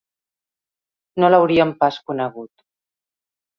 No l'haurien pas conegut